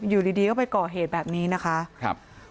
อยู่ดีก็ไปก่อเหตุแบบนี้นะคะครับ